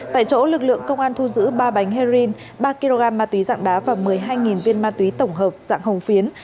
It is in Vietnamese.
tại chỗ lực lượng công an thu giữ ba bánh heroin ba kg ma túy dạng đá và một mươi hai viên ma túy tổng hợp dạng hồng phiến